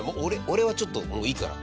俺はちょっともういいから。